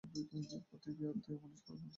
অতএব এই আত্মাই মানুষের অভ্যন্তরস্থ ঈশ্বর।